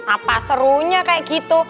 apa serunya kayak gitu